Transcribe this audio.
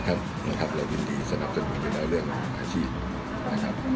ต้องขออนุญาตก่อนว่าเป็นใคร